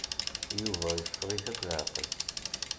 Yuba iffeɣ-it akk leɛqel.